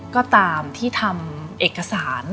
ก็ตามที่ทำเอกสาร